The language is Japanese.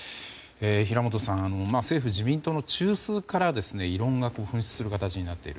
平元さん政府自民党の中枢から異論が噴出する形になっている。